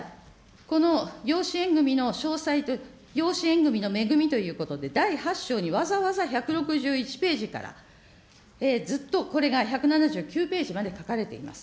この養子縁組みの詳細と、養子縁組みのめぐみということで、第８章にわざわざ１６１ページからずっとこれが１７９ページまで書かれています。